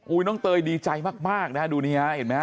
น้องเตยดีใจมากนะฮะดูนี่ฮะเห็นไหมฮ